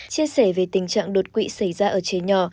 chia sẻ về tình trạng đột quỵ xảy ra ở trẻ nhỏ